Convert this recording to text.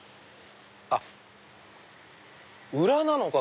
あっ裏なのか